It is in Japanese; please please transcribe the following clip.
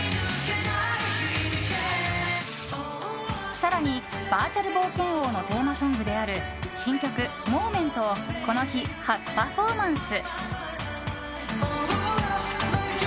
更に、バーチャル冒険王のテーマソングである新曲「Ｍｏｍｅｎｔ」をこの日、初パフォーマンス。